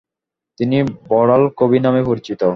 তিনি বড়াল কবি নামে পরিচিত।